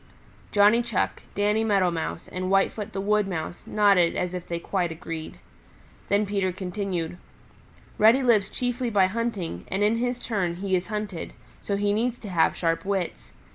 Johnny Chuck, Danny Meadow Mouse and Whitefoot the Wood Mouse nodded as if they quite agreed. Then Peter continued, "Reddy lives chiefly by hunting, and in his turn he is hunted, so he needs to have sharp wits.